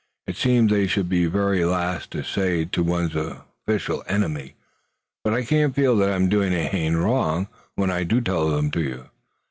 It seems they should be the very last to say to one's official enemy, but I can't feel that I'm doing anything wrong when I do tell them to you."